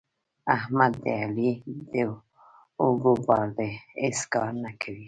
احمد د علي د اوږو بار دی؛ هیڅ کار نه کوي.